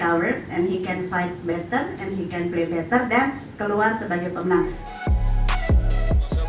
dan dia bisa berjuang lebih baik dan dia bisa main lebih baik dan keluar sebagai pemenang